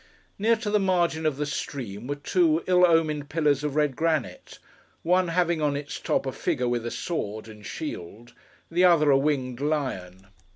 Near to the margin of the stream, were two ill omened pillars of red granite; one having on its top, a figure with a sword and shield; the other, a winged lion.